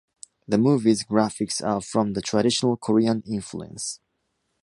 The movie’s graphics are from the traditional Korean influence.